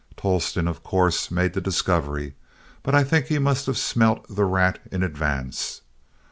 Tolleston, of course, made the discovery; but I think he must have smelt the rat in advance.